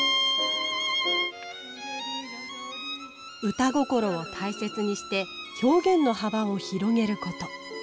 歌心を大切にして表現の幅を広げること。